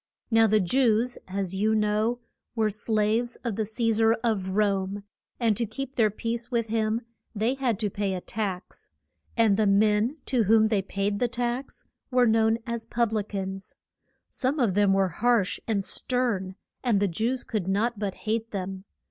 Now the Jews, as you know, were slaves of the Ce sar of Rome, and to keep their peace with him they had to pay a tax. And the men to whom they paid the tax were known as pub li cans. Some of them were harsh and stern, and the Jews could not but hate them.